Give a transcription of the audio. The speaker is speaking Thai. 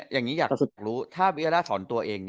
อย่างนี้อยากรู้ถ้าวิลล่าทอนตัวเอง